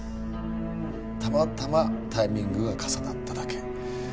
たまたまタイミングが重なっただけ